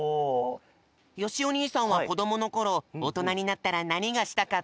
よしお兄さんはこどものころおとなになったらなにがしたかった？